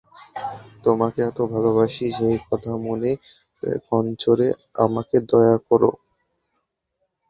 তোমাকে এত ভালোবাসি সেই কথা মনে কঞ্চরে আমাকে দয়া কোরো।